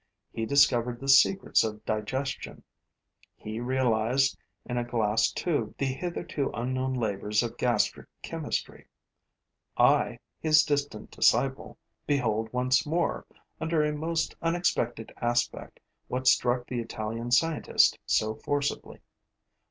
He discovered the secrets of digestion; he realized in a glass tube the hitherto unknown labors of gastric chemistry. I, his distant disciple, behold once more, under a most unexpected aspect, what struck the Italian scientist so forcibly.